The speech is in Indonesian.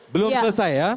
belum selesai ya